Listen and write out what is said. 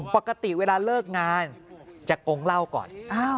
ปกติเวลาเลิกงานจะกงเหล้าก่อน